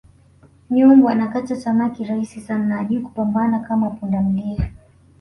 Nyumbu anakata tamaa kirahisi sana na hajui kupambana kama pundamilia